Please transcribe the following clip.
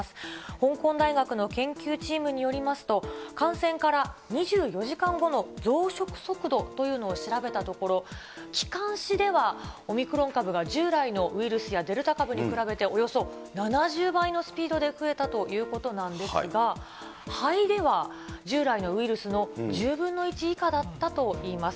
香港大学の研究チームによりますと、感染から２４時間後の増殖速度というのを調べたところ、気管支では、オミクロン株が従来のウイルスやデルタ株に比べて、およそ７０倍のスピードで増えたということなんですが、肺では従来のウイルスの１０分の１以下だったといいます。